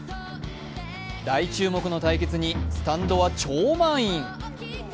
大注目の対決にスタンドは超満員。